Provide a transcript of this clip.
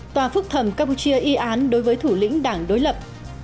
tòa phúc thẩm campuchia y án đối với thủ lĩnh đảng đối lập